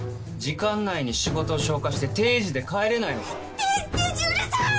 時間内に仕事を消化して定時で帰れないのか？